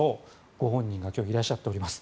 ご本人が今日、いらっしゃっております。